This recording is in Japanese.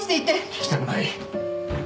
聞きたくない